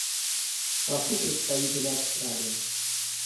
Прошу представителя Австралии.